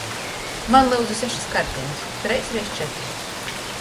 Maņ, lyudzu, sešys kartenis treis reiz četri!